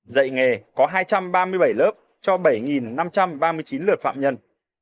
dạy nghề có hai trăm ba mươi bảy lớp cho bảy năm trăm ba mươi chín lượt phạm nhân